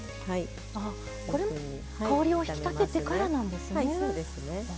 これも香りを引き立ててからなんですね。